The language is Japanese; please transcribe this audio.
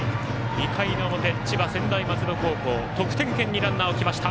２回の表、千葉・専大松戸高校得点圏にランナーを置きました。